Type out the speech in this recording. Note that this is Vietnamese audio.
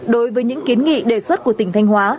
đối với những kiến nghị đề xuất của tỉnh thanh hóa